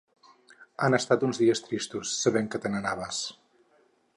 Han estat uns dies tristos, sabent que te n’anaves.